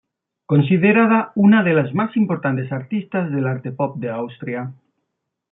Considerada una de las más importantes artistas del arte pop de Austria.